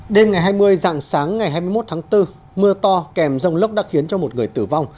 đêm ngày hai mươi dạng sáng ngày hai mươi một tháng bốn mưa to kèm rông lốc đã khiến cho một người tử vong